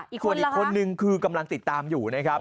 อีกคนละครับอีกคนหนึ่งคือกำลังติดตามอยู่นะครับ